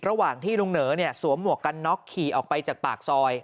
ระหว่างที่ลุงเหนอสวมหมวกกันน็อกขี่ออกไปจากปากซอย